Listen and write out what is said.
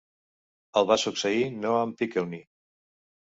El va succeir Noam Pikelny.